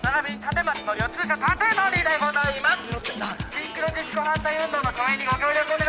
「シンクロ自粛反対運動の署名にご協力をお願いします」